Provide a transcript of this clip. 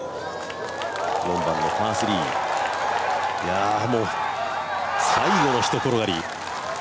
４番のパー３、最後の一転がり